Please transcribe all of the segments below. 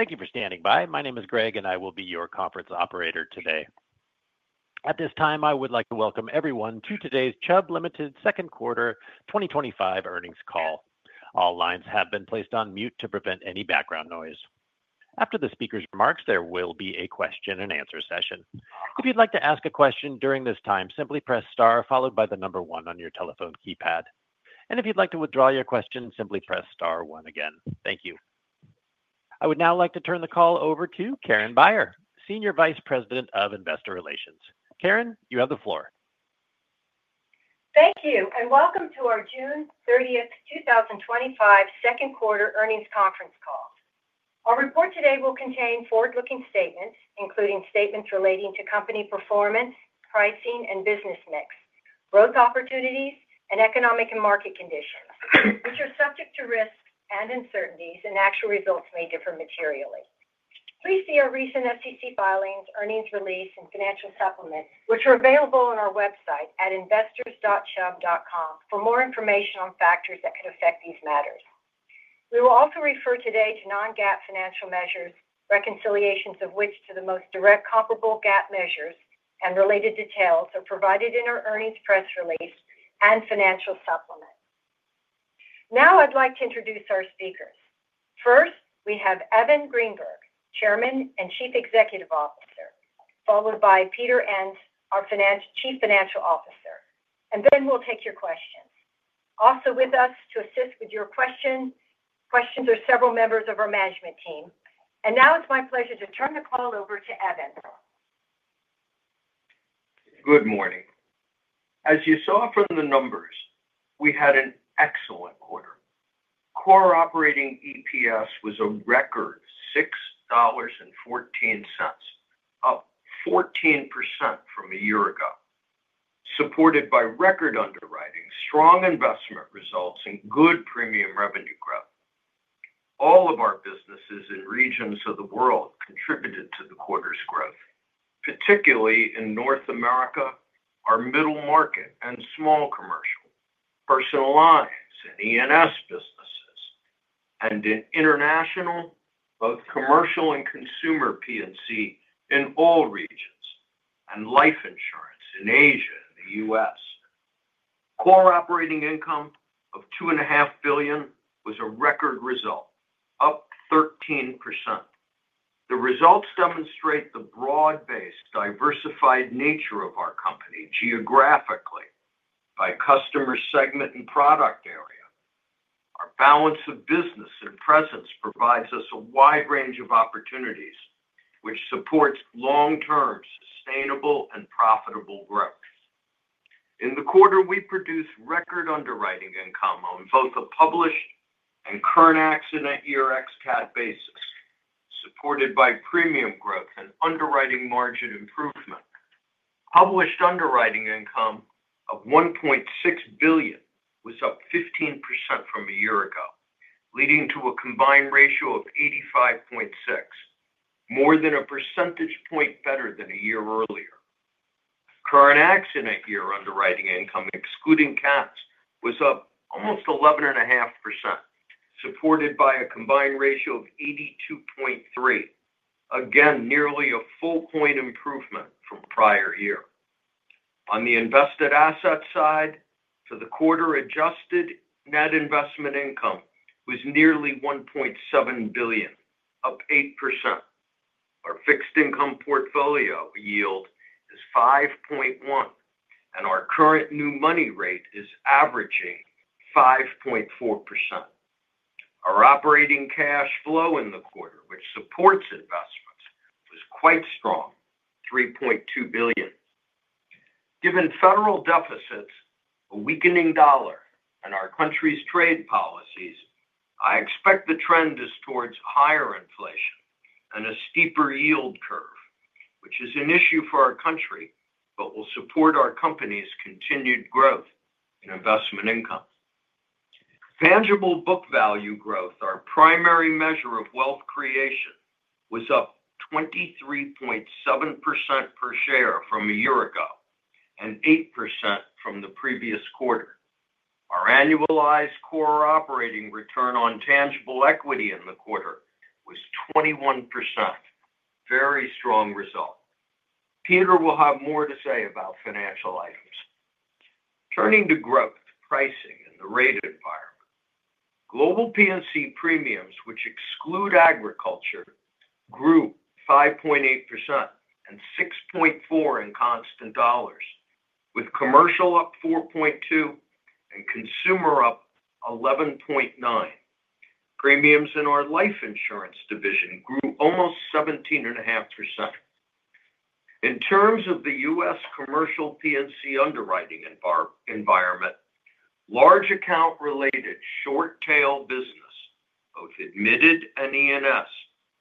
Thank you for standing by. My name is Greg, and I will be your conference operator today. At this time, I would like to welcome everyone to today's Chubb Limited Second Quarter 2025 Earnings Call. All lines have been placed on mute to prevent any background noise. After the speaker's remarks, there will be a Q&A session. If you'd like to ask a question during this time, simply press star followed by the number one on your telephone keypad. If you'd like to withdraw your question, simply press star one again. Thank you. I would now like to turn the call over to Karen Beyer, SVP of Investor Relations. Karen, you have the floor. Thank you, and welcome to our June 30, 2025 Second Quarter Earnings Conference Call. Our report today will contain forward-looking statements, including statements relating to company performance, pricing, and business mix, growth opportunities, and economic and market conditions, which are subject to risks and uncertainties, and actual results may differ materially. Please see our recent SEC filings, earnings release, and financial supplements, which are available on our website at investors.chubb.com for more information on factors that could affect these matters. We will also refer today to non-GAAP financial measures, reconciliations of which to the most direct comparable GAAP measures and related details are provided in our earnings press release and financial supplement. Now I'd like to introduce our speakers. First, we have Evan Greenberg, Chairman and CEO, followed by Peter Enns, our Chief Financial Ofiicer. We will take your questions after that. Also with us to assist with your questions are several members of our management team. It is my pleasure to turn the call over to Evan. Good morning. As you saw from the numbers, we had an excellent quarter. Core operating EPS was a record $6.14, up 14% from a year ago. Supported by record underwriting, strong investment results, and good premium revenue growth. All of our businesses in regions of the world contributed to the quarter's growth, particularly in North America, our middle market, and small commercial. Personal lines and E&S businesses, and in international, both commercial and consumer P&C in all regions, and life insurance in Asia and the U.S. Core operating income of $2.5 billion was a record result, up 13%. The results demonstrate the broad-based, diversified nature of our company geographically by customer segment and product area. Our balance of business and presence provides us a wide range of opportunities, which supports long-term, sustainable, and profitable growth. In the quarter, we produced record underwriting income on both a published and current-accident year exact basis, supported by premium growth and underwriting margin improvement. Published underwriting income of $1.6 billion was up 15% from a year ago, leading to a combined ratio of 85.6. More than a percentage point better than a year earlier. Current-accident year underwriting income, excluding CATs, was up almost 11.5%, supported by a combined ratio of 82.3. Again, nearly a full-point improvement from prior year. On the invested asset side, for the quarter, adjusted net investment income was nearly $1.7 billion, up 8%. Our fixed income portfolio yield is 5.1, and our current new money rate is averaging 5.4%. Our operating cash flow in the quarter, which supports investments, was quite strong, $3.2 billion. Given federal deficits, a weakening dollar, and our country's trade policies, I expect the trend is towards higher inflation and a steeper yield curve, which is an issue for our country but will support our company's continued growth in investment income. Tangible book value growth, our primary measure of wealth creation, was up 23.7% per share from a year ago and 8% from the previous quarter. Our annualized core operating return on tangible equity in the quarter was 21%. Very strong result. Peter will have more to say about financial items. Turning to growth, pricing, and the rate environment. Global P&C premiums, which exclude agriculture, grew 5.8% and 6.4% in constant dollars, with commercial up 4.2% and consumer up 11.9%. Premiums in our life insurance division grew almost 17.5%. In terms of the U.S. commercial P&C underwriting environment, large account-related short-tail business, both admitted and E&S,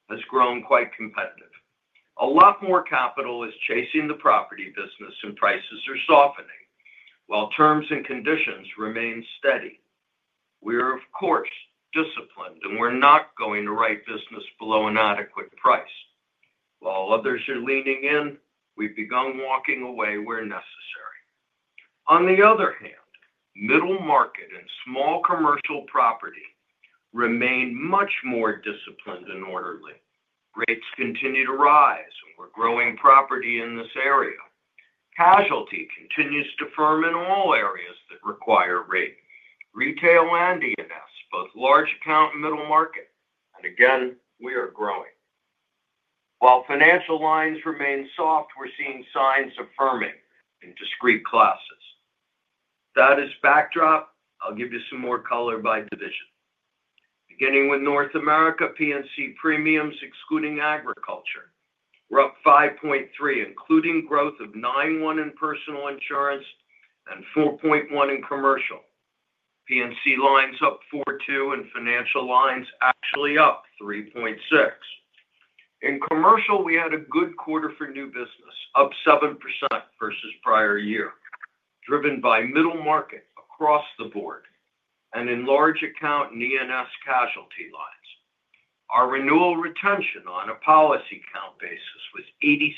has grown quite competitive. A lot more capital is chasing the property business, and prices are softening while terms and conditions remain steady. We are, of course, disciplined, and we're not going to write business below an adequate price. While others are leaning in, we've begun walking away where necessary. On the other hand, middle market and small commercial property remain much more disciplined and orderly. Rates continue to rise, and we're growing property in this area. Casualty continues to firm in all areas that require rate. Retail and E&S, both large account and middle market, and again, we are growing. While financial lines remain soft, we're seeing signs of firming in discrete classes. That is backdrop. I'll give you some more color by division. Beginning with North America, P&C premiums, excluding agriculture, were up 5.3%, including growth of 9.1% in personal insurance and 4.1% in commercial. P&C lines up 4.2%, and financial lines actually up 3.6%. In commercial, we had a good quarter for new business, up 7% versus prior year, driven by middle market across the board and in large account and E&S casualty lines. Our renewal retention on a policy count basis was 86%.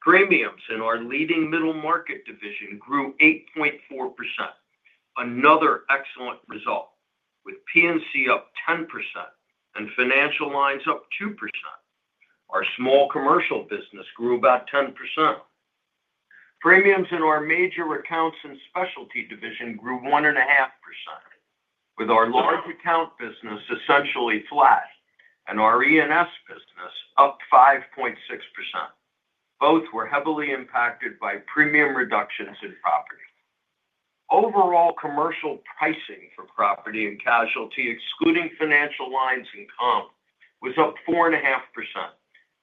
Premiums in our leading middle market division grew 8.4%. Another excellent result, with P&C up 10% and financial lines up 2%. Our small commercial business grew about 10%. Premiums in our major accounts and specialty division grew 1.5%, with our large account business essentially flat and our E&S business up 5.6%. Both were heavily impacted by premium reductions in property. Overall commercial pricing for property and casualty, excluding financial lines and comp, was up 4.5%,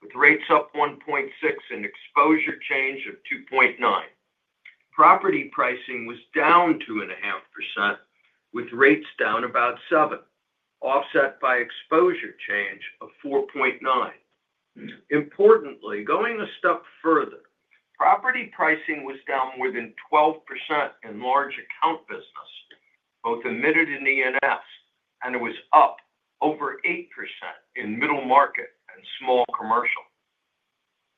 with rates up 1.6% and exposure change of 2.9%. Property pricing was down 2.5%, with rates down about 7%, offset by exposure change of 4.9%. Importantly, going a step further, property pricing was down more than 12% in large account business. Both admitted and E&S, and it was up over 8% in middle market and small commercial.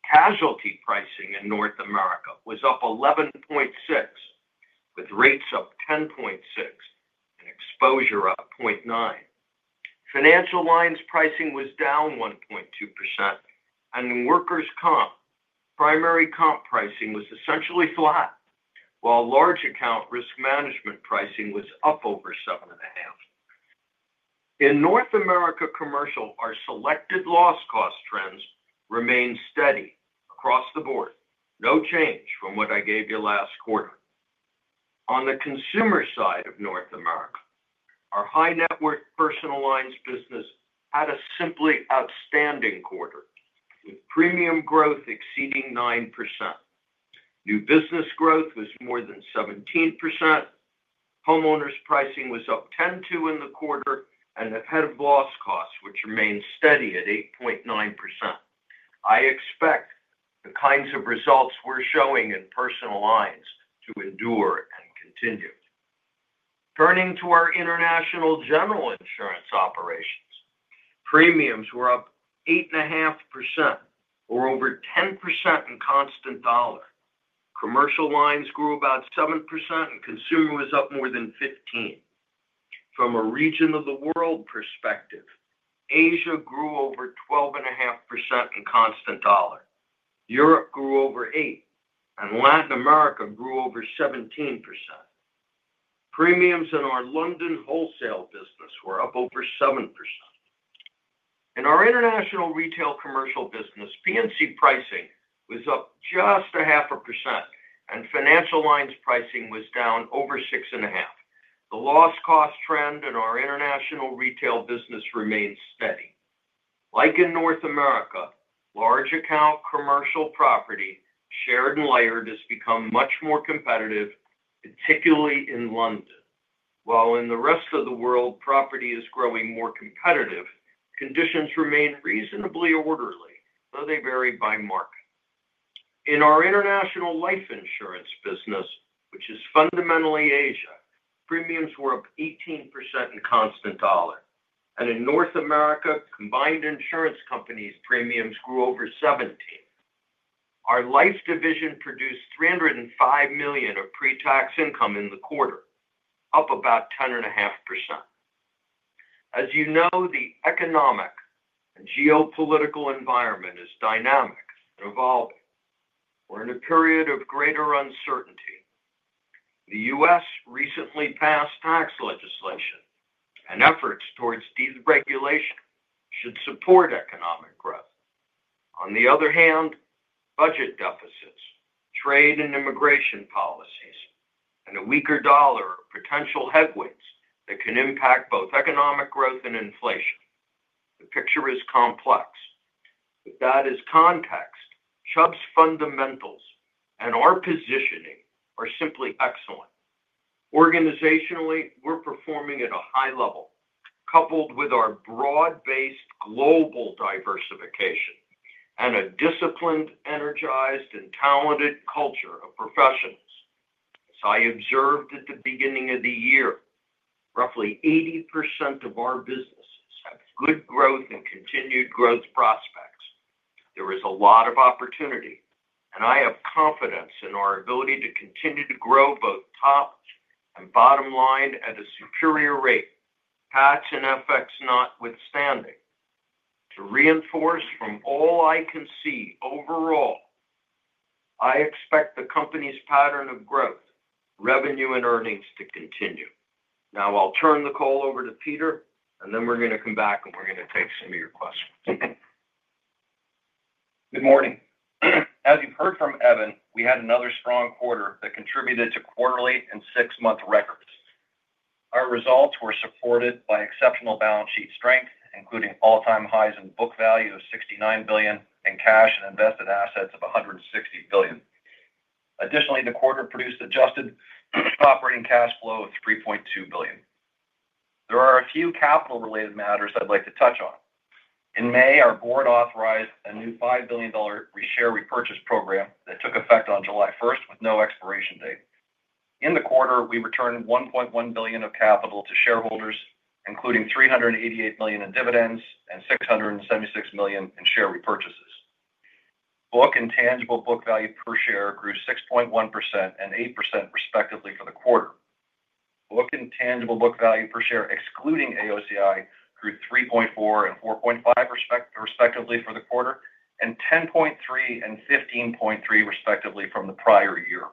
Casualty pricing in North America was up 11.6%, with rates up 10.6% and exposure up 0.9%. Financial lines pricing was down 1.2%. In workers' comp, primary comp pricing was essentially flat, while large account risk management pricing was up over 7.5%. In North America commercial, our selected loss cost trends remain steady across the board, no change from what I gave you last quarter. On the consumer side of North America, our high-net-worth personal lines business had a simply outstanding quarter, with premium growth exceeding 9%. New business growth was more than 17%. Homeowners pricing was up 10% in the quarter and ahead of loss costs, which remained steady at 8.9%. I expect the kinds of results we're showing in personal lines to endure and continue. Turning to our international general insurance operations. Premiums were up 8.5%, or over 10% in constant dollar. Commercial lines grew about 7%, and consumer was up more than 15%. From a region of the world perspective, Asia grew over 12.5% in constant dollar. Europe grew over 8%, and Latin America grew over 17%. Premiums in our London wholesale business were up over 7%. In our international retail commercial business, P&C pricing was up just 0.5%, and financial lines pricing was down over 6.5%. The loss cost trend in our international retail business remains steady. Like in North America, large account commercial property, shared and layered, has become much more competitive, particularly in London. While in the rest of the world, property is growing more competitive, conditions remain reasonably orderly, though they vary by market. In our international life insurance business, which is fundamentally Asia, premiums were up 18% in constant dollar. In North America, Combined Insurance Companies premiums grew over 17%. Our life division produced $305 million of pre-tax income in the quarter, up about 10.5%. As you know, the economic and geopolitical environment is dynamic and evolving. We're in a period of greater uncertainty. The U.S. recently passed tax legislation, and efforts towards deregulation should support economic growth. On the other hand, budget deficits, trade and immigration policies, and a weaker dollar are potential headwinds that can impact both economic growth and inflation. The picture is complex. With that as context, Chubb's fundamentals and our positioning are simply excellent. Organizationally, we're performing at a high level, coupled with our broad-based global diversification and a disciplined, energized, and talented culture of professionals. As I observed at the beginning of the year, roughly 80% of our businesses have good growth and continued growth prospects. There is a lot of opportunity, and I have confidence in our ability to continue to grow both top and bottom line at a superior rate, [patch] and FX notwithstanding. To reinforce from all I can see overall, I expect the company's pattern of growth, revenue, and earnings to continue. Now I'll turn the call over to Peter, and then we're going to come back and we're going to take some of your questions. Good morning. As you've heard from Evan, we had another strong quarter that contributed to quarterly and six-month records. Our results were supported by exceptional balance sheet strength, including all-time highs in book value of $69 billion and cash and invested assets of $160 billion. Additionally, the quarter produced adjusted operating cash flow of $3.2 billion. There are a few capital-related matters I'd like to touch on. In May, our board authorized a new $5 billion share repurchase program that took effect on July 1 with no expiration date. In the quarter, we returned $1.1 billion of capital to shareholders, including $388 million in dividends and $676 million in share repurchases. Book and tangible book value per share grew 6.1% and 8% respectively for the quarter. Book and tangible book value per share, excluding AOCI, grew 3.4% and 4.5% respectively for the quarter and 10.3% and 15.3% respectively from the prior year.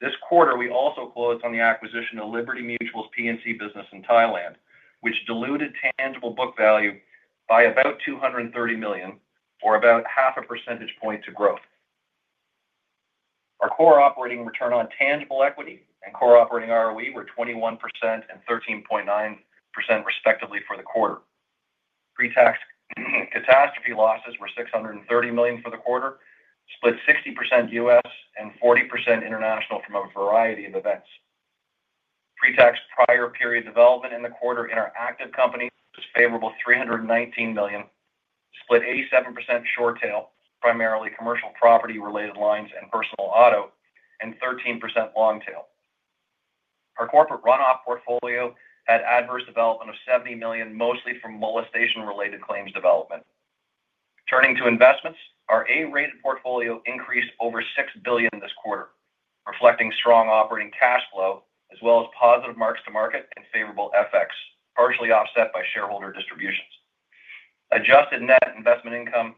This quarter, we also closed on the acquisition of Liberty Mutual's P&C business in Thailand, which diluted tangible book value by about $230 million, or about half a percentage point to growth. Our core operating return on tangible equity and core operating ROE were 21% and 13.9% respectively for the quarter. Pre-tax catastrophe losses were $630 million for the quarter, split 60% U.S. and 40% international from a variety of events. Pre-tax prior period development in the quarter in our active company was favorable at $319 million, split 87% short tail, primarily commercial property-related lines and personal auto, and 13% long tail. Our corporate run-off portfolio had adverse development of $70 million, mostly from molestation-related claims development. Turning to investments, our A-rated portfolio increased over $6 billion this quarter, reflecting strong operating cash flow as well as positive marks to market and favorable FX, partially offset by shareholder distributions. Adjusted net investment income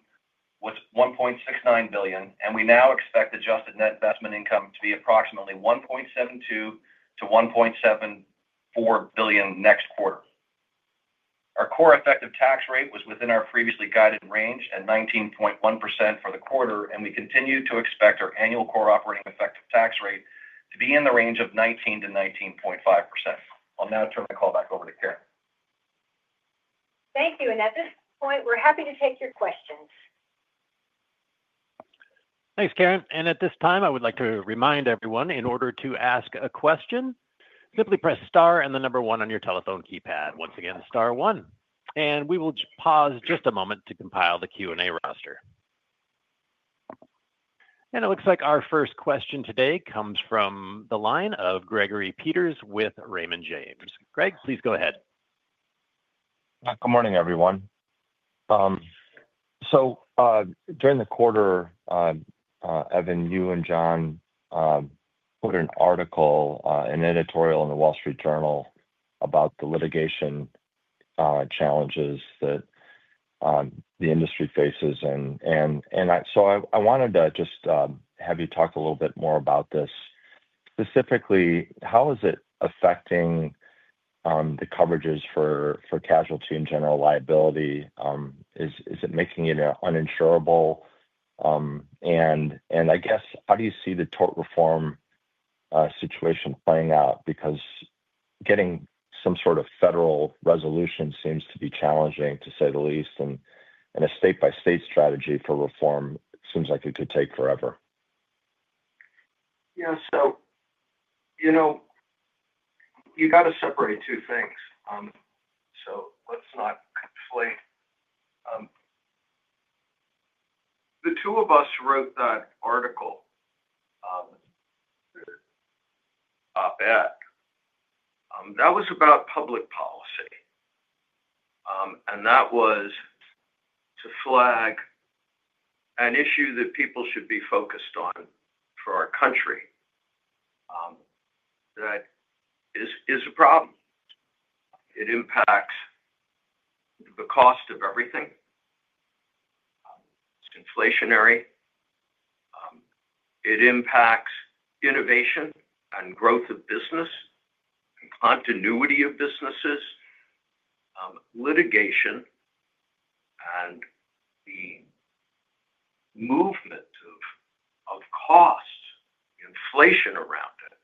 was $1.69 billion, and we now expect adjusted net investment income to be approximately $1.72-$1.74 billion next quarter. Our core effective tax rate was within our previously guided range at 19.1% for the quarter, and we continue to expect our annual core operating effective tax rate to be in the range of 19%-19.5%. I'll now turn the call back over to Karen. Thank you. At this point, we're happy to take your questions. Thanks, Karen. At this time, I would like to remind everyone, in order to ask a question, simply press star and the number one on your telephone keypad. Once again, star one. We will pause just a moment to compile the Q&A roster. It looks like our first question today comes from the line of Gregory Peters with Raymond James. Greg, please go ahead. Good morning, everyone. During the quarter, Evan, you and John put an article, an editorial in the Wall Street Journal about the litigation challenges that the industry faces. I wanted to just have you talk a little bit more about this. Specifically, how is it affecting the coverages for casualty and general liability? Is it making it uninsurable? I guess, how do you see the tort reform situation playing out? Because getting some sort of federal resolution seems to be challenging, to say the least. A state-by-state strategy for reform seems like it could take forever. Yeah. You got to separate two things. Let's not conflate—the two of us wrote that article. That was about public policy. That was to flag an issue that people should be focused on for our country. That is a problem. It impacts the cost of everything. It's inflationary. It impacts innovation and growth of business and continuity of businesses. Litigation and the movement of cost inflation around it,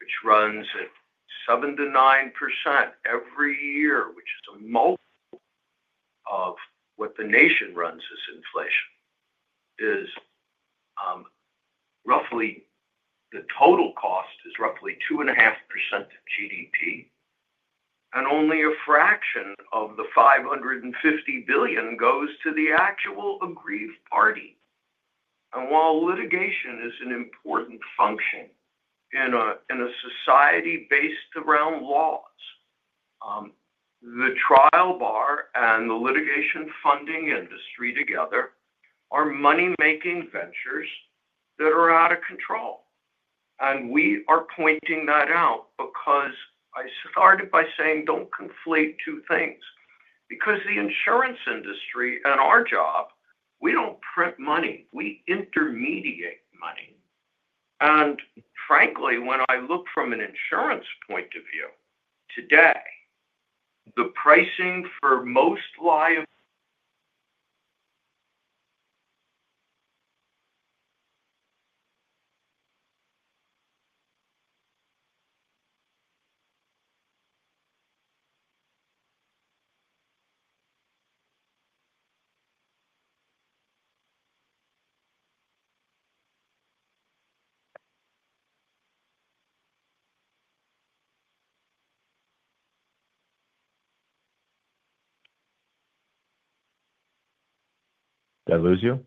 which runs at 7%-9% every year, which is a multiple of what the nation runs as inflation. Roughly, the total cost is roughly 2.5% of GDP. Only a fraction of the $550 billion goes to the actual aggrieved party. While litigation is an important function in a society based around laws, the trial bar and the litigation funding industry together are money-making ventures that are out of control. We are pointing that out because I started by saying, "Don't conflate two things." The insurance industry and our job, we don't print money. We intermediate money. Frankly, when I look from an insurance point of view today, the pricing for most lia— Did I lose you?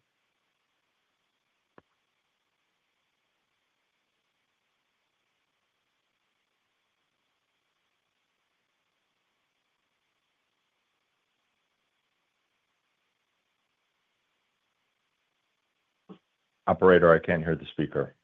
Operator, I can't hear the speaker.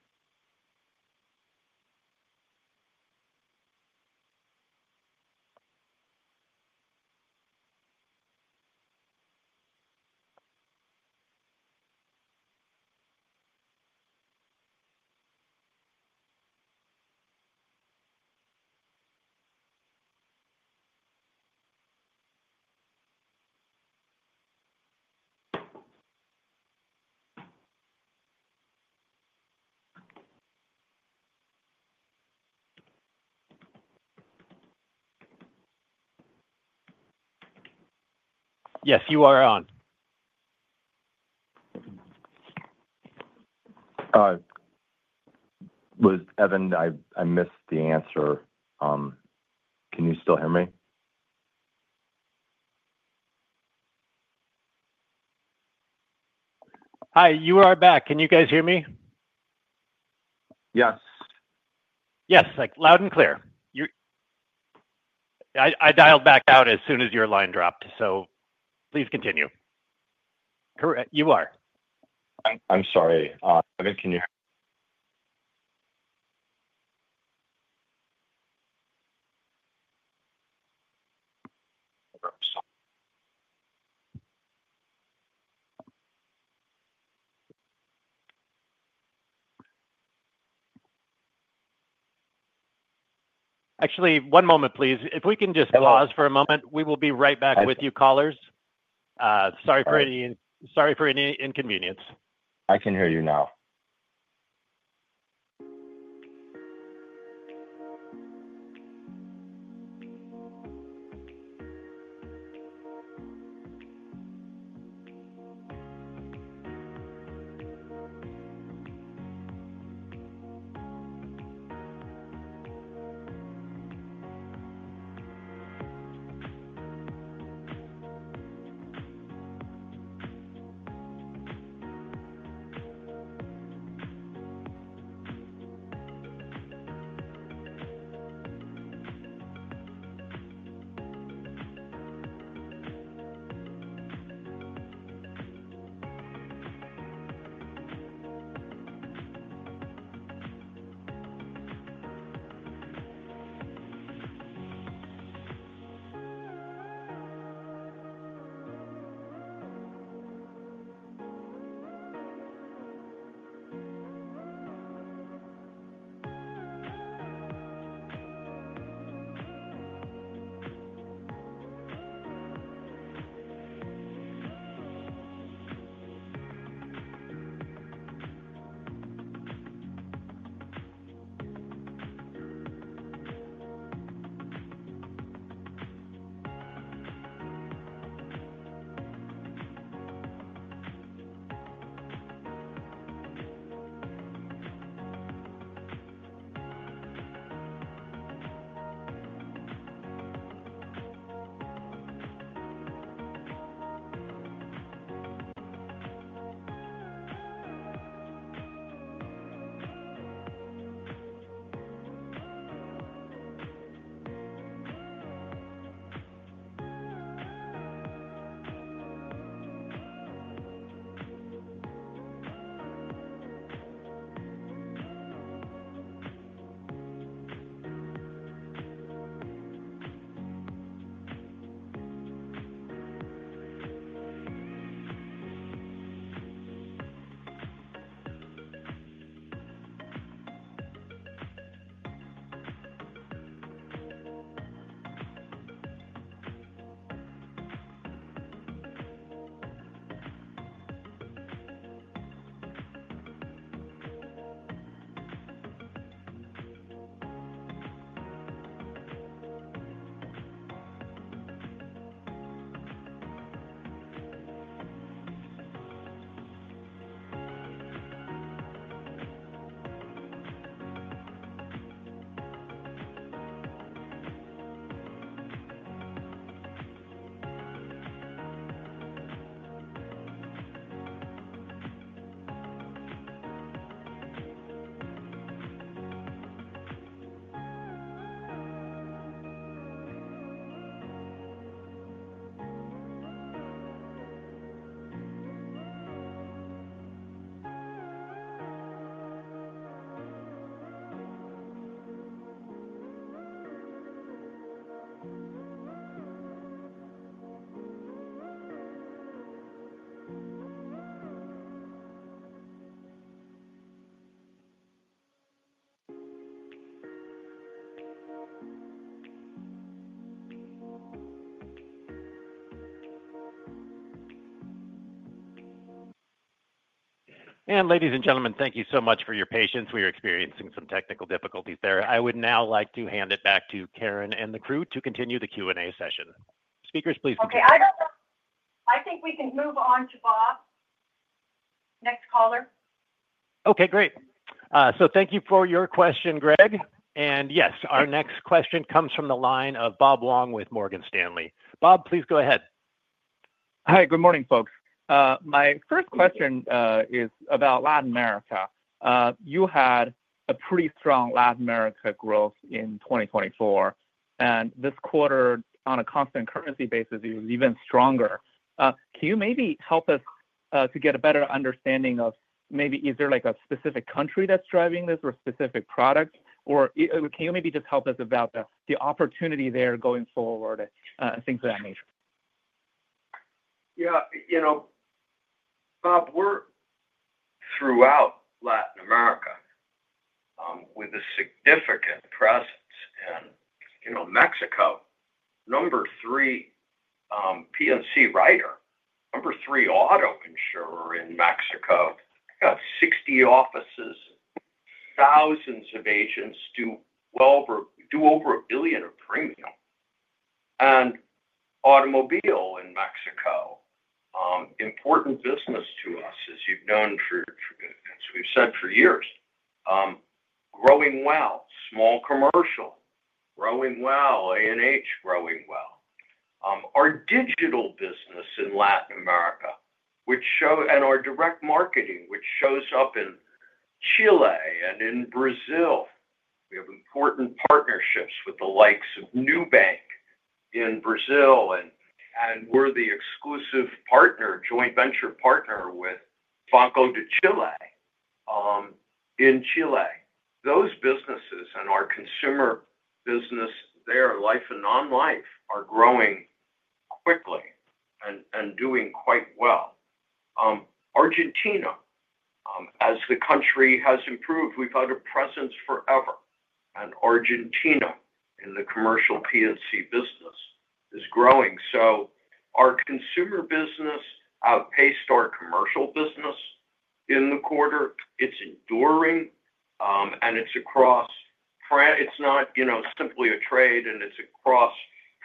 Yes, you are on. Hi. Was Evan, I missed the answer. Can you still hear me? Hi, you are back. Can you guys hear me? Yes. Yes, loud and clear. I dialed back out as soon as your line dropped, so please continue. You are. I'm sorry. Evan, can you hear? Actually, one moment, please. If we can just pause for a moment, we will be right back with you, callers. Sorry for any inconvenience. I can hear you now. Ladies and gentlemen, thank you so much for your patience. We are experiencing some technical difficulties there. I would now like to hand it back to Karen and the crew to continue the Q&A session. Speakers, please continue. Okay. I think we can move on to Bob. Next caller. Okay, great. Thank you for your question, Greg. Yes, our next question comes from the line of Bob Wong with Morgan Stanley. Bob, please go ahead. Hi, good morning, folks. My first question is about Latin America. You had a pretty strong Latin America growth in 2024. This quarter, on a constant currency basis, it was even stronger. Can you maybe help us to get a better understanding of maybe is there a specific country that's driving this or specific products? Can you maybe just help us about the opportunity there going forward and things of that nature? Yeah. Bob. Throughout Latin America, with a significant presence in Mexico. Number three P&C writer, number three auto insurer in Mexico. Got 60 offices, thousands of agents too. Over $1 billion of premium, and automobile in Mexico. Important business to us, as you've known, as we've said for years. Growing well, small commercial growing well, A&H growing well. Our digital business in Latin America, which shows, and our direct marketing, which shows up in Chile and in Brazil. We have important partnerships with the likes of Nubank in Brazil, and we're the exclusive partner, joint venture partner with Banco de Chile in Chile. Those businesses and our consumer business there, life and non-life, are growing quickly and doing quite well. Argentina, as the country has improved, we've had a presence forever, and Argentina in the commercial P&C business is growing. Our consumer business outpaced our commercial business in the quarter. It's enduring, and it's across. It's not simply a trade, and it's across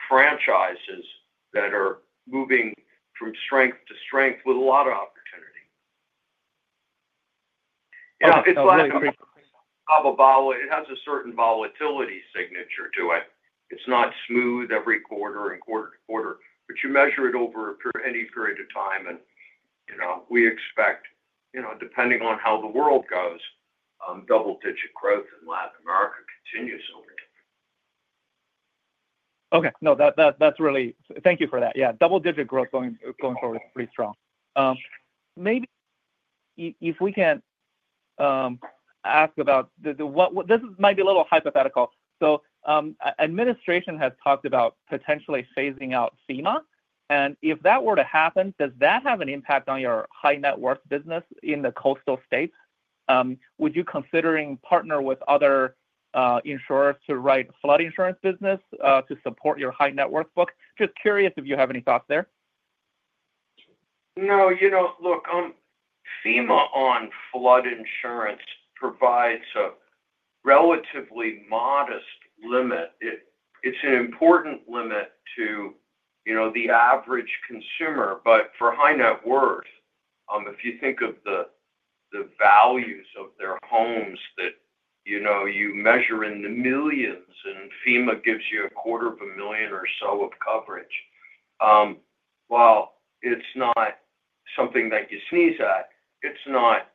franchises that are moving from strength to strength with a lot of opportunity. It has a certain volatility signature to it. It's not smooth every quarter and quarter-to-quarter, but you measure it over any period of time, and we expect, depending on how the world goes, double-digit growth in Latin America continues over time. Okay. No, that's really—thank you for that. Yeah. Double-digit growth going forward is pretty strong. Maybe if we can. Ask about this might be a little hypothetical. Administration has talked about potentially phasing out FEMA. If that were to happen, does that have an impact on your high-net-worth business in the coastal states? Would you consider partnering with other insurers to write flood insurance business to support your high-net-worth book? Just curious if you have any thoughts there. No. Look. FEMA on flood insurance provides a relatively modest limit. It's an important limit too. The average consumer. But for high-net-worth, if you think of the values of their homes that you measure in the millions, and FEMA gives you a quarter of a million or so of coverage. It's not something that you sneeze at. It's not.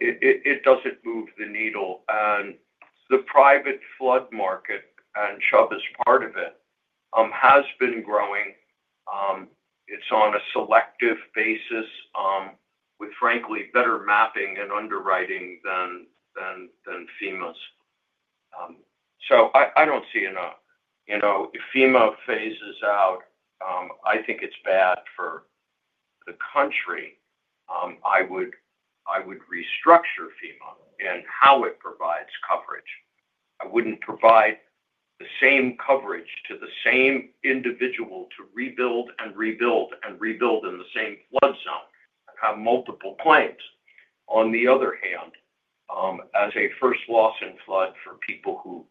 It doesn't move the needle. The private flood market, and Chubb is part of it, has been growing. It's on a selective basis, with, frankly, better mapping and underwriting than FEMA's. I don't see enough. If FEMA phases out, I think it's bad for the country. I would restructure FEMA and how it provides coverage. I wouldn't provide the same coverage to the same individual to rebuild and rebuild and rebuild in the same flood zone and have multiple claims. On the other hand, as a first loss in flood for people who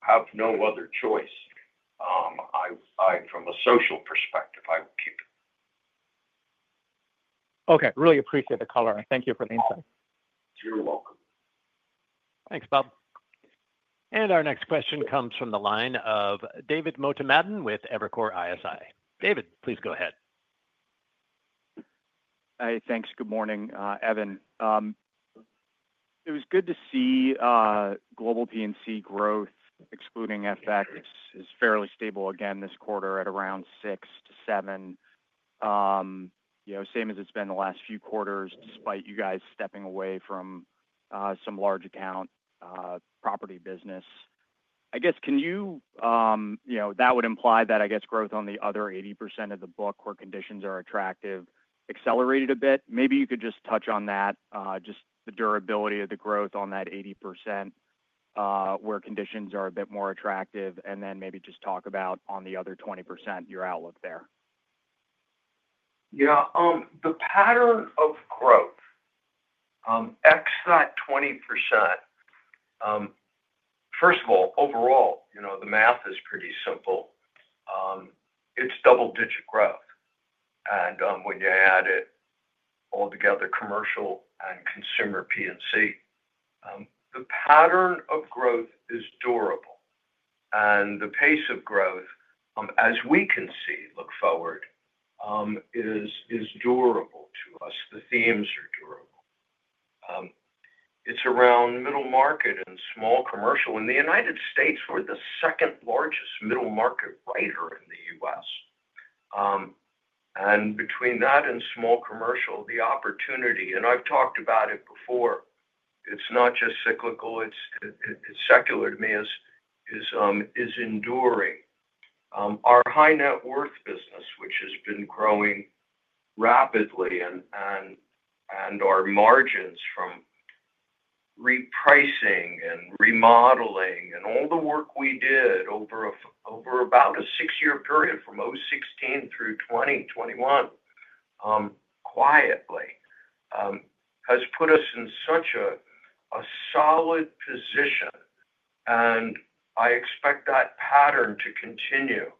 have no other choice, from a social perspective, I would keep it. Okay. Really appreciate the color, and thank you for the insight. You're welcome. Thanks, Bob. Our next question comes from the line of David Motemaden with Evercore ISI. David, please go ahead. Hey, thanks. Good morning, Evan. It was good to see. Global P&C growth, excluding FX, is fairly stable again this quarter at around 6%-7%. Same as it's been the last few quarters, despite you guys stepping away from some large account property business. I guess, can you—that would imply that, I guess, growth on the other 80% of the book where conditions are attractive accelerated a bit. Maybe you could just touch on that, just the durability of the growth on that 80%, where conditions are a bit more attractive, and then maybe just talk about on the other 20%, your outlook there. Yeah. The pattern of growth. X that 20%. First of all, overall, the math is pretty simple. It's double-digit growth. When you add it altogether, commercial and consumer P&C, the pattern of growth is durable. The pace of growth, as we can see look forward, is durable to us. The themes are durable. It's around middle market and small commercial. In the United States, we're the second largest middle market writer in the U.S. Between that and small commercial, the opportunity—and I've talked about it before—it's not just cyclical. It's secular to me, is enduring. Our high-net-worth business, which has been growing rapidly, and our margins from repricing and remodeling and all the work we did over about a six-year period from 2016 through 2021, quietly, has put us in such a solid position. I expect that pattern to continue,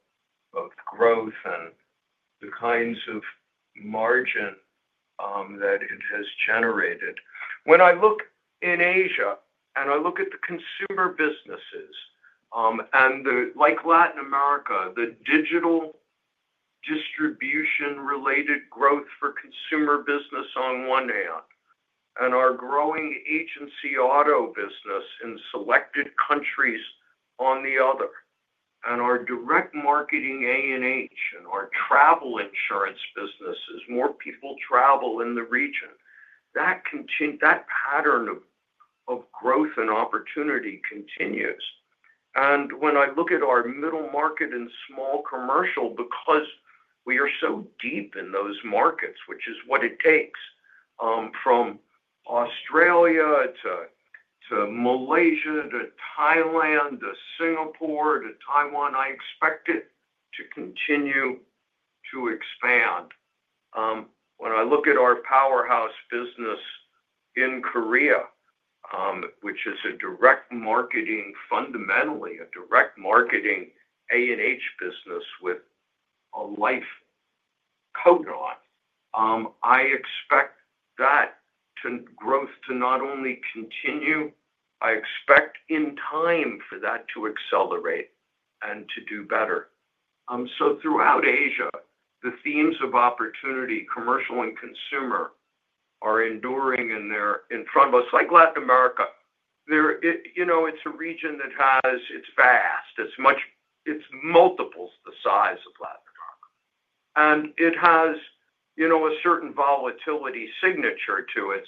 both growth and the kinds of margin that it has generated. When I look in Asia and I look at the consumer businesses, and like Latin America, the digital distribution-related growth for consumer business on one hand, and our growing agency auto business in selected countries on the other, and our direct marketing A&H and our travel insurance businesses, more people travel in the region. That pattern of growth and opportunity continues. When I look at our middle market and small commercial, because we are so deep in those markets, which is what it takes, from Australia to Malaysia to Thailand to Singapore to Taiwan, I expect it to continue to expand. When I look at our powerhouse business in Korea, which is a direct marketing, fundamentally a direct marketing A&H business with a life cone on, I expect that growth to not only continue, I expect in time for that to accelerate and to do better. Throughout Asia, the themes of opportunity, commercial and consumer, are enduring and they're in front of us. Like Latin America. It's a region that has—it's vast. It's multiples the size of Latin America. It has a certain volatility signature to it.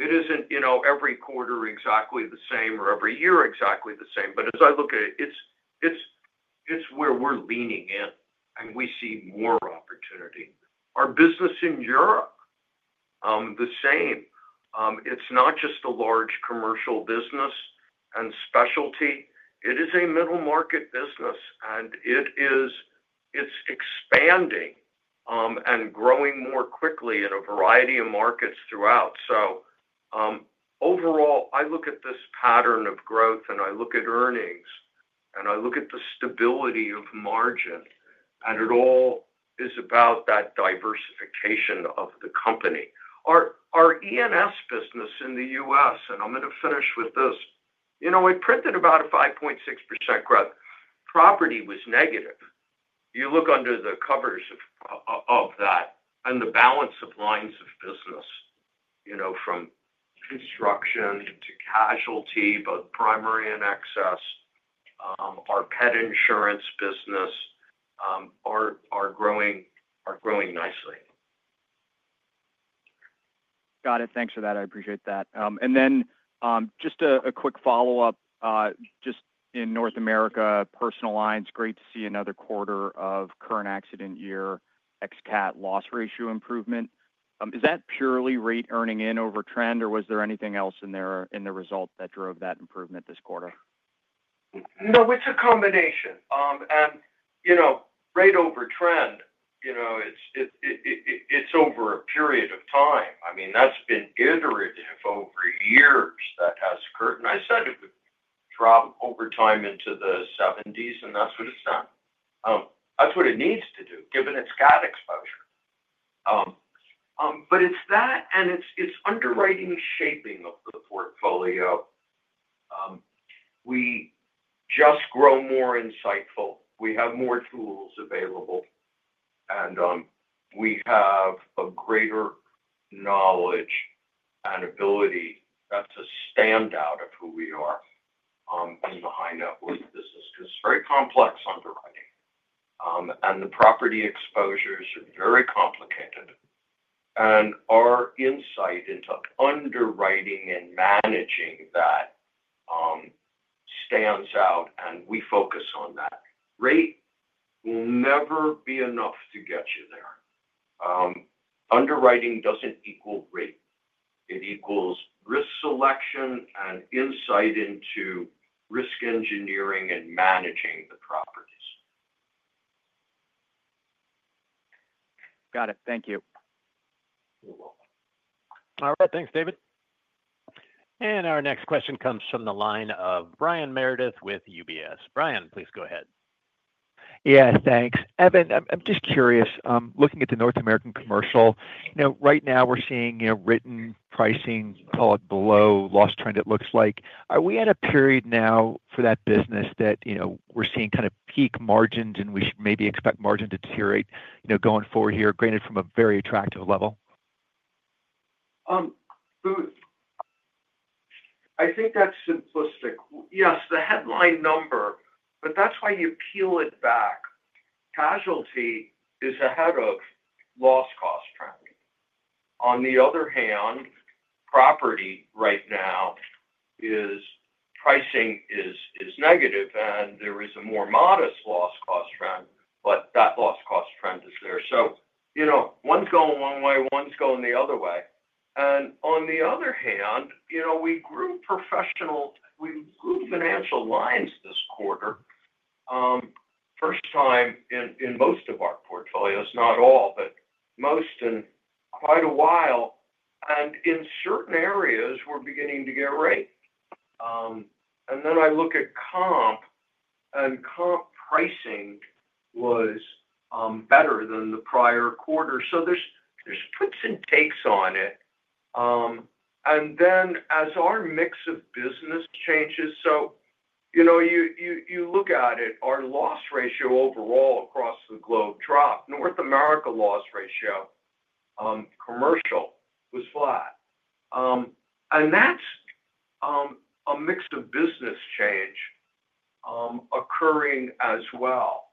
It isn't every quarter exactly the same or every year exactly the same. As I look at it, it's where we're leaning in, and we see more opportunity. Our business in Europe, the same. It's not just a large commercial business and specialty. It is a middle market business, and it's expanding and growing more quickly in a variety of markets throughout. Overall, I look at this pattern of growth, and I look at earnings, and I look at the stability of margin. It all is about that diversification of the company. Our E&S business in the U.S.—and I'm going to finish with this—we printed about a 5.6% growth. Property was negative. You look under the covers of that and the balance of lines of business, from construction to casualty, both primary and excess. Our pet insurance business are growing nicely. Got it. Thanks for that. I appreciate that. Just a quick follow-up. Just in North America, personal lines, great to see another quarter of current accident year ex-CAT loss ratio improvement. Is that purely rate earning in over trend, or was there anything else in the result that drove that improvement this quarter? No, it's a combination. Rate over trend. It's over a period of time. I mean, that's been iterative over years that has occurred. I said it would drop over time into the 1970s, and that's what it's done. That's what it needs to do, given it's got exposure. It's that, and it's underwriting shaping of the portfolio. We just grow more insightful. We have more tools available. We have a greater knowledge and ability to stand out of who we are in the high-net-worth business because it's very complex underwriting. The property exposures are very complicated. Our insight into underwriting and managing that stands out, and we focus on that. Rate will never be enough to get you there. Underwriting does not equal rate. It equals risk selection and insight into risk engineering and managing the properties. Got it. Thank you. You're welcome. All right. Thanks, David. Our next question comes from the line of Brian Meredith with UBS. Brian, please go ahead. Yeah, thanks. Evan, I'm just curious. Looking at the North American commercial, right now we're seeing written pricing below loss trend, it looks like. Are we at a period now for that business that we're seeing kind of peak margins and we should maybe expect margin to deteriorate going forward here, granted from a very attractive level? I think that's simplistic. Yes, the headline number, but that's why you peel it back. Casualty is ahead of loss cost trend. On the other hand, property right now is pricing is negative, and there is a more modest loss cost trend, but that loss cost trend is there. One's going one way, one's going the other way. On the other hand, we grew professional. We grew financial lines this quarter. First time in most of our portfolios, not all, but most in quite a while. In certain areas, we're beginning to get rate. I look at comp, and comp pricing was better than the prior quarter. There's puts and takes on it. As our mix of business changes, you look at it, our loss ratio overall across the globe dropped. North America loss ratio commercial was flat, and that's a mix of business change occurring as well.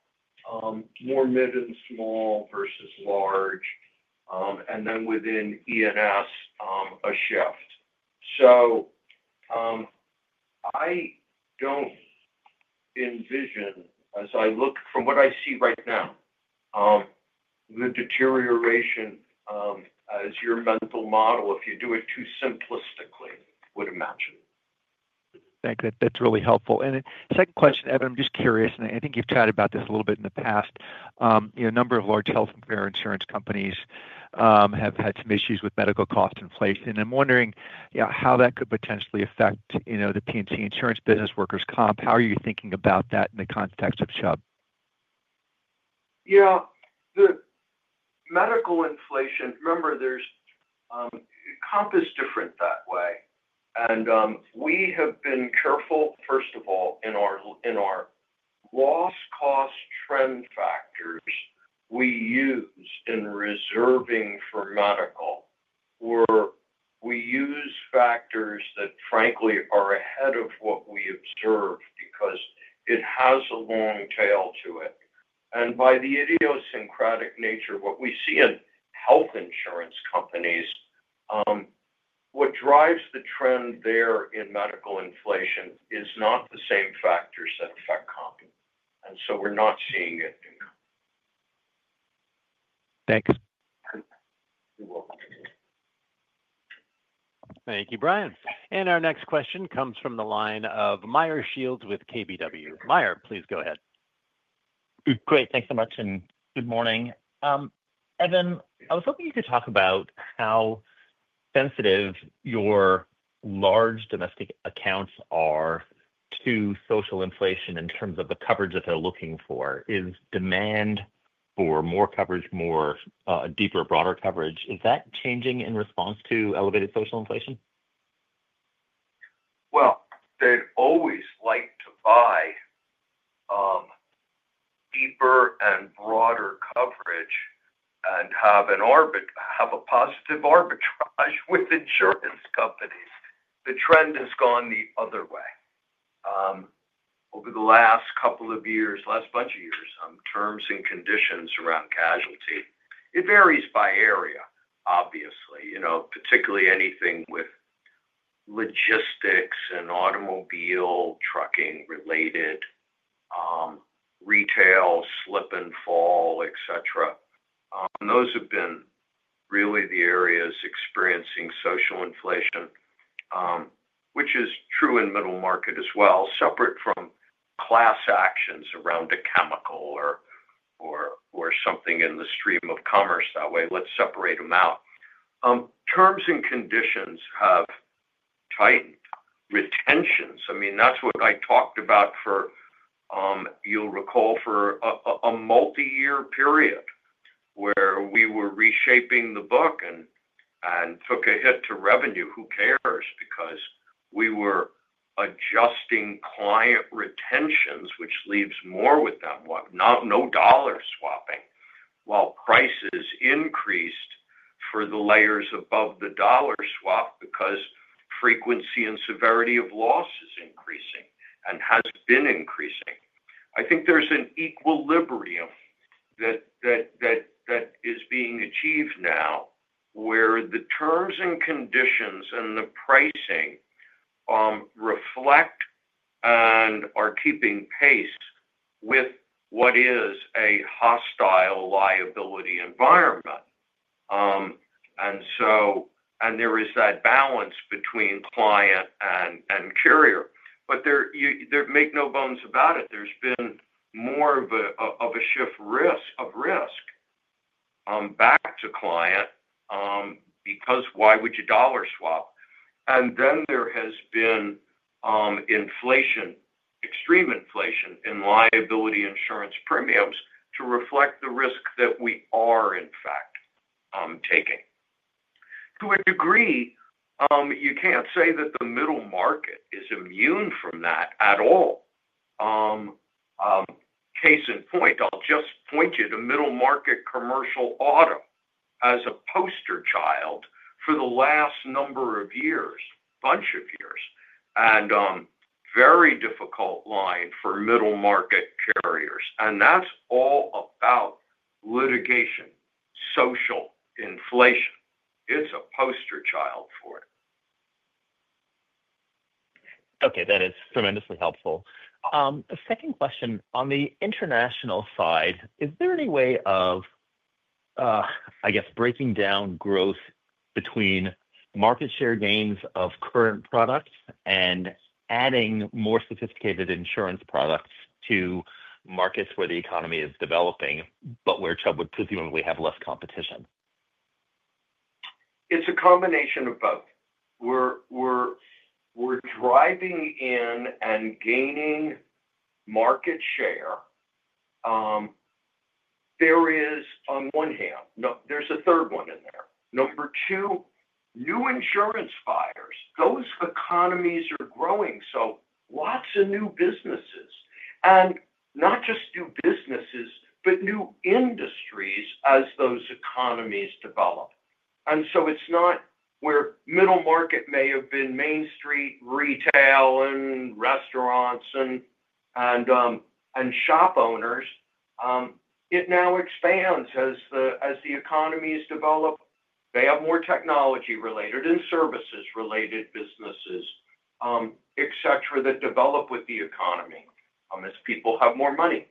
More mid and small versus large. Within E&S, a shift. I don't envision, as I look from what I see right now, the deterioration as your mental model, if you do it too simplistically, would imagine. Thanks. That's really helpful. Second question, Evan, I'm just curious, and I think you've chatted about this a little bit in the past. A number of large health and care insurance companies have had some issues with medical cost inflation. I'm wondering how that could potentially affect the P&C insurance business, workers' comp. How are you thinking about that in the context of Chubb? Yeah. The medical inflation, remember. Comp is different that way. We have been careful, first of all, in our loss cost trend factors we use in reserving for medical. We use factors that, frankly, are ahead of what we observe because it has a long tail to it. By the idiosyncratic nature, what we see in health insurance companies, what drives the trend there in medical inflation is not the same factors that affect comp. We are not seeing it in comp. Thanks. You're welcome. Thank you, Brian. Our next question comes from the line of Meyer Shields with KBW. Meyer, please go ahead. Great. Thanks so much. Good morning. Evan, I was hoping you could talk about how sensitive your large domestic accounts are to social inflation in terms of the coverage that they're looking for. Is demand for more coverage, more deeper, broader coverage, is that changing in response to elevated social inflation? They'd always like to buy deeper and broader coverage and have a positive arbitrage with insurance companies. The trend has gone the other way. Over the last couple of years, last bunch of years, terms and conditions around casualty. It varies by area, obviously, particularly anything with logistics and automobile trucking related. Retail, slip and fall, etc. Those have been really the areas experiencing social inflation. Which is true in middle market as well, separate from class actions around a chemical or something in the stream of commerce that way. Let's separate them out. Terms and conditions have tightened. Retentions, I mean, that's what I talked about for, you'll recall, for a multi-year period where we were reshaping the book and took a hit to revenue. Who cares? Because we were adjusting client retentions, which leaves more with them, no dollar swapping, while prices increased for the layers above the dollar swap because frequency and severity of loss is increasing and has been increasing. I think there's an equilibrium that is being achieved now where the terms and conditions and the pricing reflect and are keeping pace with what is a hostile liability environment. There is that balance between client and carrier. Make no bones about it, there's been more of a shift of risk back to client. Because why would you dollar swap? There has been inflation, extreme inflation in liability insurance premiums to reflect the risk that we are, in fact, taking. To a degree, you can't say that the middle market is immune from that at all. Case in point, I'll just point you to middle market commercial auto as a poster child for the last number of years, bunch of years. Very difficult line for middle market carriers. That's all about litigation, social inflation. It's a poster child for it. Okay. That is tremendously helpful. A second question on the international side. Is there any way of, I guess, breaking down growth between market share gains of current products and adding more sophisticated insurance products to markets where the economy is developing but where Chubb would presumably have less competition? It's a combination of both. We're driving in and gaining market share. There is, on one hand, no, there's a third one in there. Number two, new insurance buyers. Those economies are growing, so lots of new businesses. And not just new businesses, but new industries as those economies develop. It's not where middle market may have been Main Street, retail, and restaurants, and shop owners. It now expands as the economies develop. They have more technology-related and services-related businesses, etc. that develop with the economy as people have more money.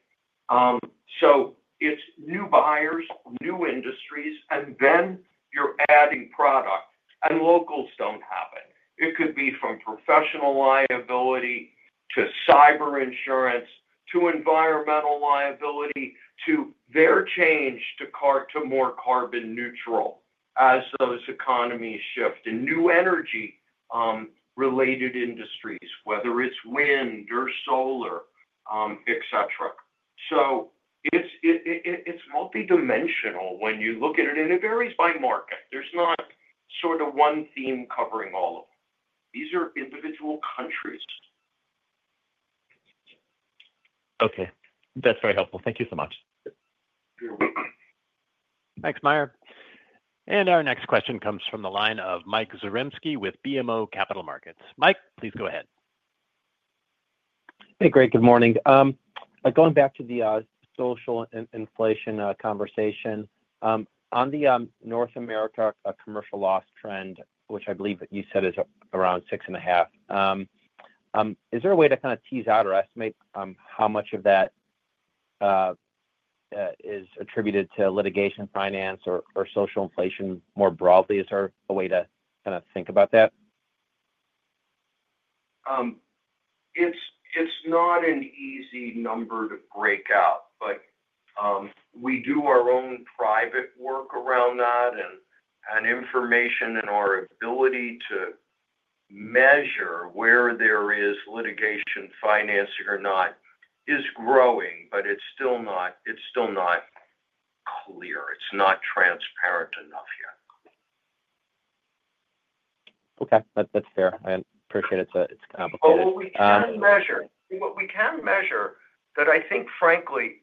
It's new buyers, new industries, and then you're adding product. Locals don't have it. It could be from professional liability to cyber insurance to environmental liability to their change to more carbon neutral as those economies shift and new energy-related industries, whether it's wind or solar, etc. It's multidimensional when you look at it, and it varies by market. There's not sort of one theme covering all of them. These are individual countries. Okay. That's very helpful. Thank you so much. You're welcome. Thanks, Meyer. Our next question comes from the line of Mike Zaremski with BMO Capital Markets. Mike, please go ahead. Hey, Greg. Good morning. Going back to the social inflation conversation. On the North America commercial loss trend, which I believe you said is around 6.5%. Is there a way to kind of tease out or estimate how much of that is attributed to litigation, finance, or social inflation more broadly? Is there a way to kind of think about that? It's not an easy number to break out, but we do our own private work around that. And information and our ability to measure where there is litigation, financing or not, is growing, but it's still not clear. It's not transparent enough yet. Okay. That's fair. I appreciate it's complicated. We can measure. We can measure. Frankly,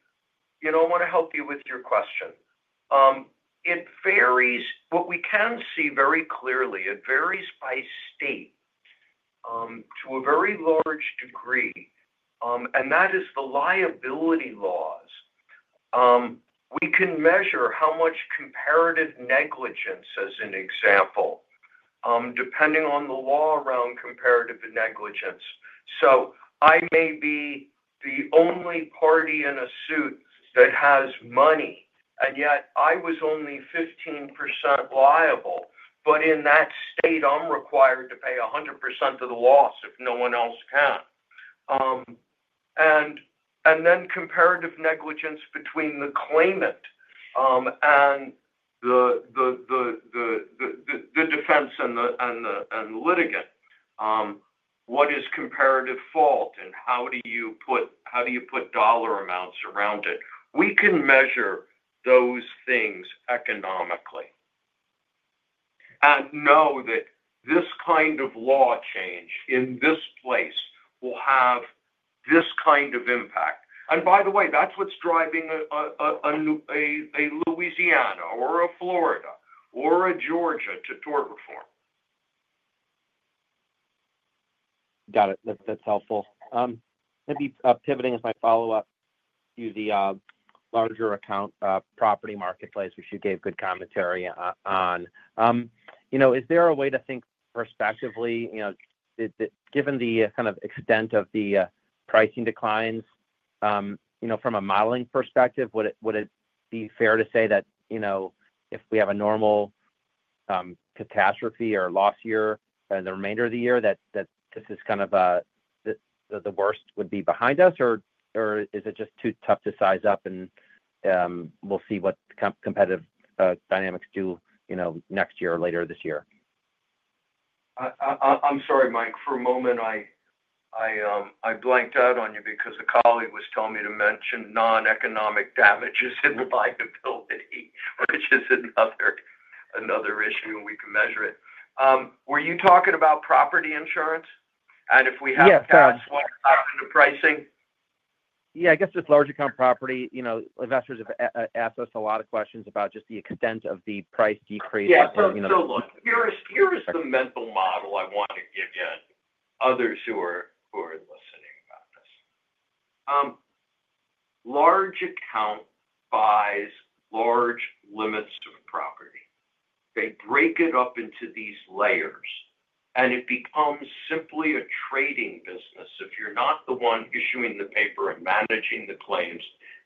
I want to help you with your question. What we can see very clearly, it varies by state to a very large degree. That is the liability laws. We can measure how much comparative negligence, as an example, depending on the law around comparative negligence. I may be the only party in a suit that has money, and yet I was only 15% liable. In that state, I'm required to pay 100% of the loss if no one else can. Then comparative negligence between the claimant, the defense, and the litigant. What is comparative fault, and how do you put dollar amounts around it? We can measure those things economically and know that this kind of law change in this place will have this kind of impact. By the way, that's what's driving a Louisiana or a Florida or a Georgia to tort reform. Got it. That's helpful. Maybe pivoting as my follow-up to the larger account property marketplace, which you gave good commentary on. Is there a way to think prospectively, given the kind of extent of the pricing declines? From a modeling perspective, would it be fair to say that if we have a normal catastrophe or loss year in the remainder of the year, that this is kind of the worst would be behind us? Or is it just too tough to size up and we'll see what competitive dynamics do next year or later this year? I'm sorry, Mike. For a moment, I blanked out on you because a colleague was telling me to mention non-economic damages in liability, which is another issue, and we can measure it. Were you talking about property insurance? And if we have to add to pricing? Yeah. I guess with large account property, investors have asked us a lot of questions about just the extent of the price decrease. Yeah. Still, look, here is the mental model I want to give you and others who are listening about this. Large account buys large limits of property. They break it up into these layers, and it becomes simply a trading business if you're not the one issuing the paper and managing the claims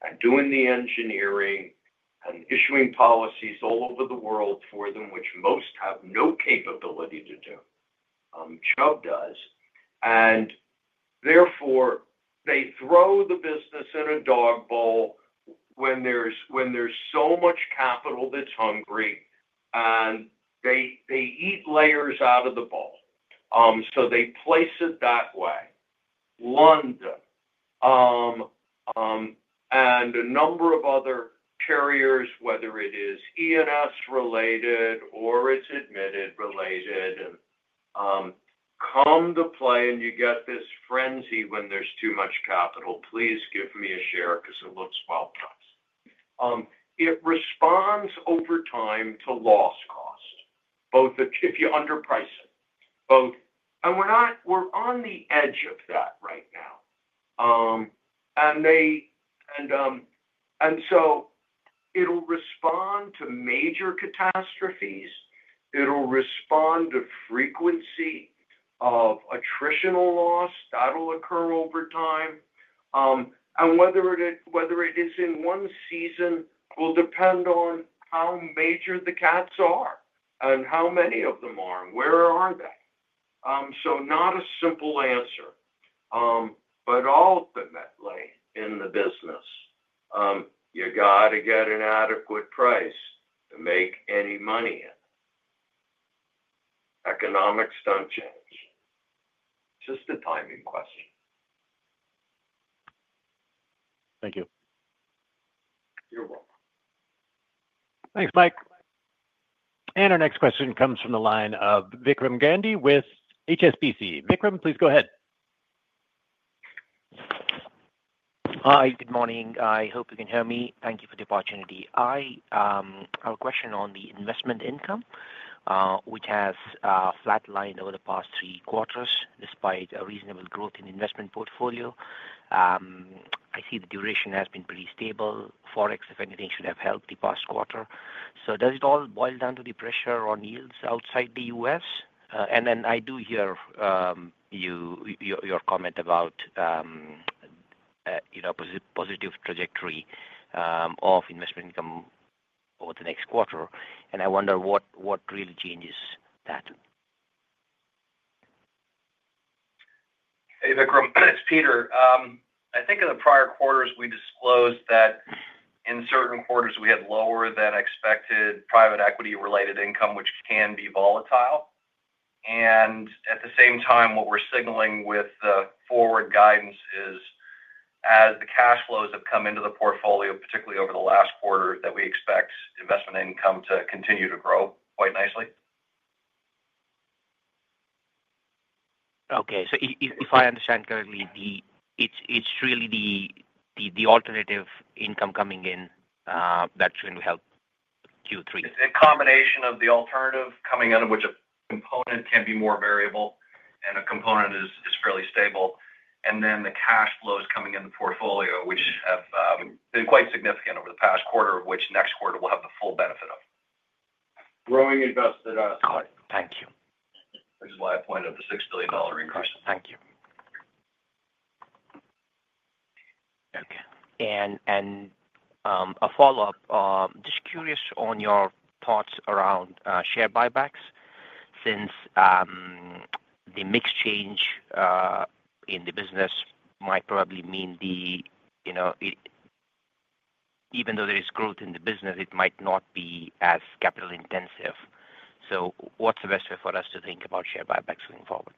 and doing the engineering and issuing policies all over the world for them, which most have no capability to do. Chubb does. Therefore, they throw the business in a dog bowl when there's so much capital that's hungry, and they eat layers out of the bowl. They place it that way. London and a number of other carriers, whether it is E&S-related or it's admitted-related, come to play, and you get this frenzy when there's too much capital. Please give me a share because it looks well-priced. It responds over time to loss cost. If you underprice it, we're on the edge of that right now. It will respond to major catastrophes. It will respond to frequency of attritional loss that'll occur over time. Whether it is in one season will depend on how major the CATs are and how many of them are and where are they. Not a simple answer. Ultimately, in the business, you got to get an adequate price to make any money in it. Economics don't change. It's just a timing question. Thank you. You're welcome. Thanks, Mike. Our next question comes from the line of Vikram Gandhi with HSBC. Vikram, please go ahead. Hi. Good morning. I hope you can hear me. Thank you for the opportunity. I have a question on the investment income, which has flatlined over the past three quarters despite a reasonable growth in the investment portfolio. I see the duration has been pretty stable. Forex, if anything, should have helped the past quarter. Does it all boil down to the pressure on yields outside the U.S.? I do hear your comment about a positive trajectory of investment income over the next quarter. I wonder what really changes that. Hey, Vikram. It's Peter. I think in the prior quarters, we disclosed that. In certain quarters, we had lower than expected private equity-related income, which can be volatile. At the same time, what we're signaling with the forward guidance is, as the cash flows have come into the portfolio, particularly over the last quarter, that we expect investment income to continue to grow quite nicely. Okay. So if I understand correctly, it's really the alternative income coming in that's going to help Q3. It's a combination of the alternative coming in, of which a component can be more variable and a component is fairly stable. The cash flows coming in the portfolio, which have been quite significant over the past quarter, of which next quarter will have the full benefit of. Growing invested [us]. Got it. Thank you. Which is why I pointed out the $6 billion increase. Thank you. Okay. A follow-up. Just curious on your thoughts around share buybacks since the mixed change in the business might probably mean that even though there is growth in the business, it might not be as capital-intensive. What is the best way for us to think about share buybacks going forward?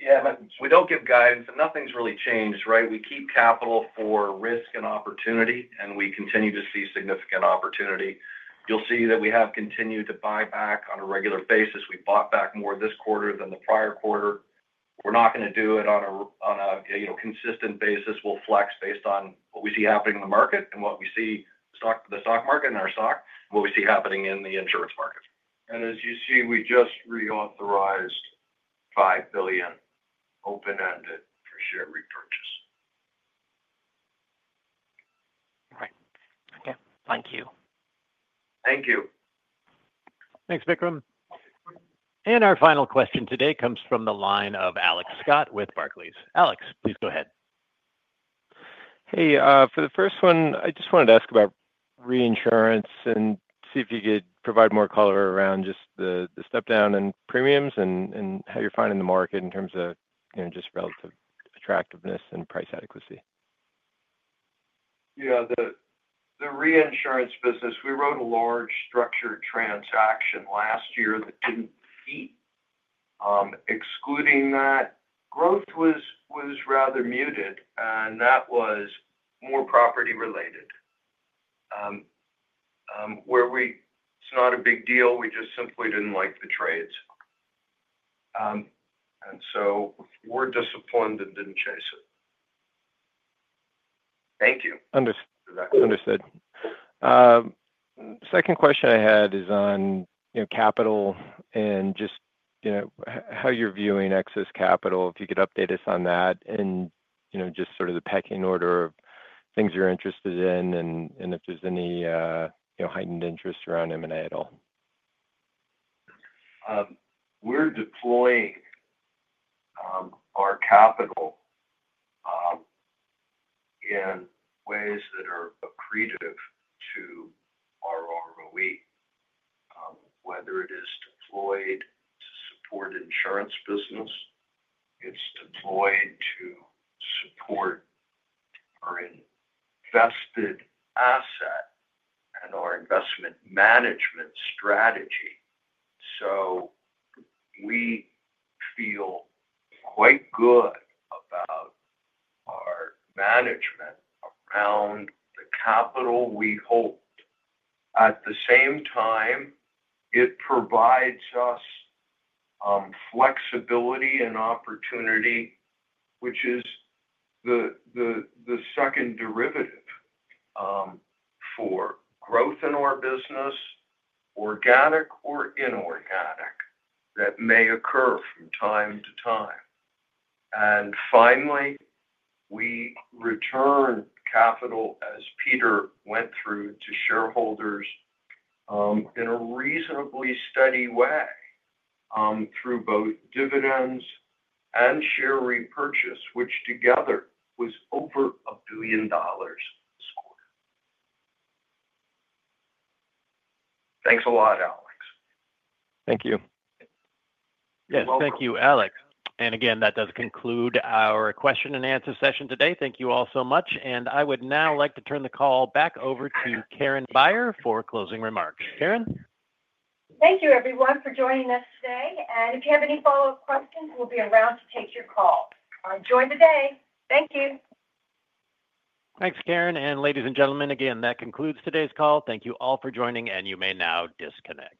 Yeah. We do not give guidance, and nothing's really changed, right? We keep capital for risk and opportunity, and we continue to see significant opportunity. You will see that we have continued to buy back on a regular basis. We bought back more this quarter than the prior quarter. We are not going to do it on a consistent basis. We will flex based on what we see happening in the market and what we see in the stock market and our stock, and what we see happening in the insurance market. As you see, we just reauthorized $5 billion open-ended for share repurchase. All right. Okay. Thank you. Thank you. Thanks, Vikram. Our final question today comes from the line of Alex Scott with Barclays. Alex, please go ahead. Hey. For the first one, I just wanted to ask about reinsurance and see if you could provide more color around just the step-down in premiums and how you're finding the market in terms of just relative attractiveness and price adequacy. Yeah. The reinsurance business, we wrote a large structured transaction last year that did not [proceed]. Excluding that, growth was rather muted, and that was more property-related. It is not a big deal. We just simply did not like the trades. We are disappointed and did not chase it. Thank you. Understood. Understood. Second question I had is on capital and just how you're viewing excess capital, if you could update us on that, and just sort of the pecking order of things you're interested in and if there's any heightened interest around M&A at all. We're deploying our capital in ways that are accretive to our ROE. Whether it is deployed to support insurance business, it's deployed to support our invested asset and our investment management strategy. We feel quite good about our management around the capital we hold. At the same time, it provides us flexibility and opportunity, which is the second derivative for growth in our business, organic or inorganic, that may occur from time to time. Finally, we return capital, as Peter went through, to shareholders in a reasonably steady way through both dividends and share repurchase, which together was over $1 billion this quarter. Thanks a lot, Alex. Thank you. Yes. Thank you, Alex. That does conclude our question-and-answer session today. Thank you all so much. I would now like to turn the call back over to Karen Beyer for closing remarks. Karen? Thank you, everyone, for joining us today. If you have any follow-up questions, we'll be around to take your call. Enjoy the day. Thank you. Thanks, Karen. Ladies and gentlemen, again, that concludes today's call. Thank you all for joining, and you may now disconnect.